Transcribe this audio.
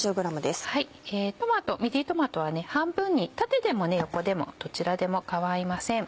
トマトミディトマトは半分に縦でも横でもどちらでも構いません。